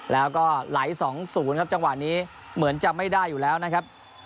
แล้วก็ไหล๒๐ครับจังหวะนี้เหมือนจะไม่ได้อยู่แล้วนะครับ